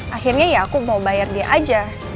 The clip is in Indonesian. akhirnya ya aku mau bayar dia aja